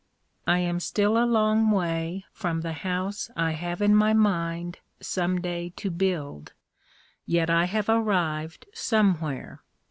I am still a long way from the house I have in my mind some day to build, yet I have arrived somewhere.